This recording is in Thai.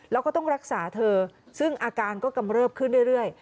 แล้วก็ต้องรักษาเธอซึ่งอาการก็กำเริบขึ้นเรื่อย